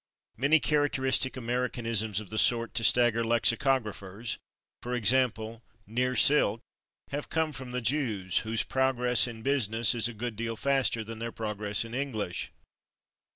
Many characteristic Americanisms of the sort to stagger lexicographers for example, /near silk/ have come from the Jews, whose progress in business is a good deal faster than their progress in English.